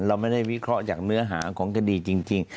เราไม่ได้วิเคราะห์จากเนื้อหาของคดีจริง